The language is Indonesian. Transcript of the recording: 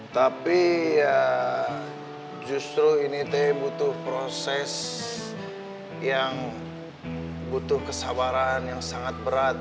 tapi ya justru ini butuh proses yang butuh kesabaran yang sangat berat